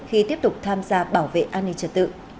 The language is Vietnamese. khi tiếp tục tham gia bảo vệ an ninh trật tự